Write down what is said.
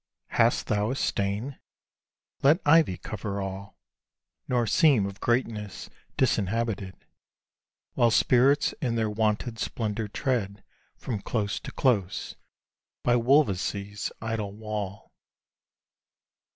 Hast thou a stain? Let ivy cover all; Nor seem of greatness disinhabited, While spirits in their wonted splendour tread From close to close, by Wolvesey's idle wall.